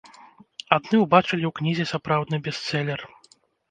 Адны ўбачылі ў кнізе сапраўдны бестселер.